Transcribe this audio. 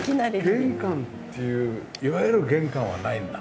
玄関っていういわゆる玄関はないんだ。